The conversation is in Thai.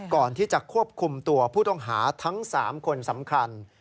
ก่อนที่จะควบคุมตัวผู้ต้องหาทั้ง๓คนสำคัญ